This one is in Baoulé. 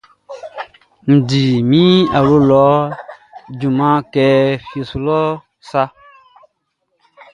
N di min awlo lɔ junmanʼn ka naan mʼan fite lɔ mʼan ko di ngowa.